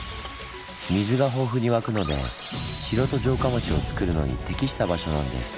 水が豊富に湧くので城と城下町をつくるのに適した場所なんです。